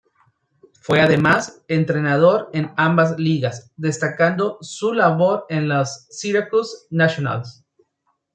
Fue además entrenador en ambas ligas, destacando su labor en los Syracuse Nationals.